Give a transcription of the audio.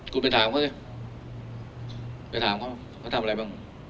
คุณไปถามเขาสิไปถามเขาเขาทำอะไรบ้าง